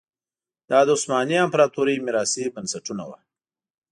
دا د عثماني امپراتورۍ میراثي بنسټونه وو.